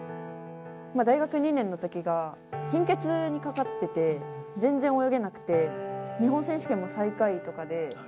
大学２年のときが貧血にかかってて、全然泳げなくて、日本選手権も最下位とかで。